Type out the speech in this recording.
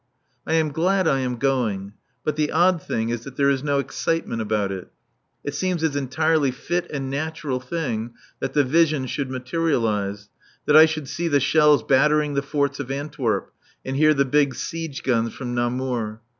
I am glad I am going. But the odd thing is that there is no excitement about it. It seems an entirely fit and natural thing that the vision should materialize, that I should see the shells battering the forts of Antwerp and hear the big siege guns from Namur.